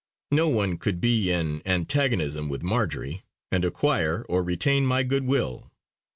No one could be in antagonism with Marjory, and acquire or retain my good will.